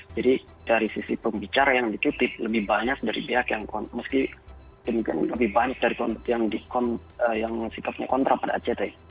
jadi dari sisi pembicara yang ditutup lebih banyak dari pihak yang meski lebih banyak dari yang sikapnya kontra pada act